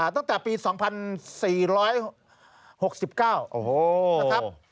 ตั้งแต่ปี๒๔๖๙นะครับ